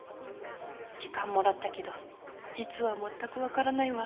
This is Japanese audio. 時間もらったけど実は全く分からないわ。